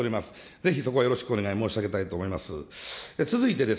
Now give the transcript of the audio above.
ぜひそこはよろしくお願い申し上げたいと思います。